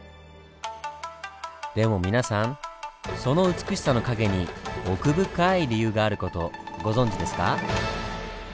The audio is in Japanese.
でも皆さんその美しさの陰に奥深い理由がある事ご存じですか？